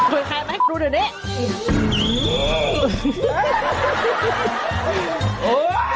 คุยกับใครเอาให้คุณดูเดี๋ยวนี้